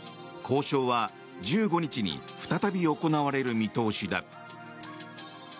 交渉は１５日に再び行われる見通しだ。